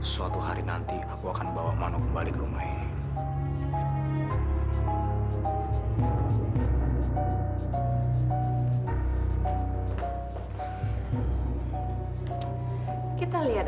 suatu hari nanti aku akan bawa mono kembali ke rumah ini